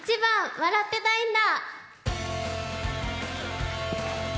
「笑ってたいんだ」。